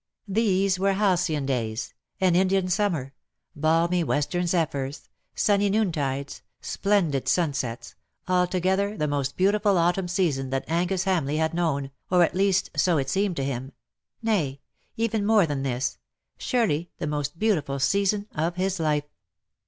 These were halcyon days — an Indian summer — balmy western zephyrs — sunny noontides — splen did sunsets — altogether the most beautiful autumn season that Angus Hamleigh had known, or at least, so it seemed to him — 'Uay, even more than this, surely the most beautiful season of his life.